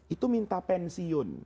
itu minta pensiun